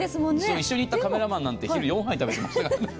一緒に行ったカメラマンなんて４杯食べていましたからね。